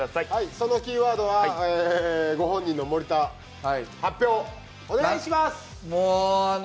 そのキーワードはご本人の森田、発表、お願いします。